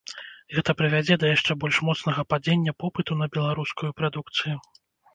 Гэта прывядзе да яшчэ больш моцнага падзення попыту на беларускую прадукцыю.